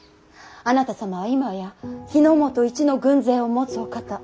あなた様は今や日本一の軍勢を持つお方。